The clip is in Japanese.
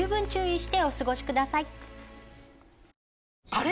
あれ？